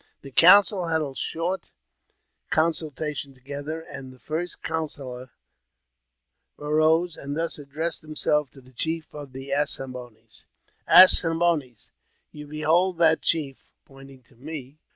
The council held a short consultation together, and the first councillor arose and thus addressed himself to the chief of the As ne boines :* As ne boines ! you behold that chief (pointing to me)